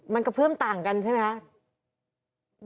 มันกระเพื่อมต่างกันใช่ไหมคะ